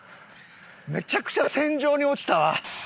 めちゃくちゃ線上に落ちたわ。